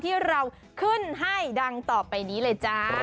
ที่เราขึ้นให้ดังต่อไปนี้เลยจ้า